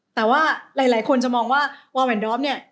แต่ว่าหลายคนจะมองว่าวาแวนดอฟเนี่ย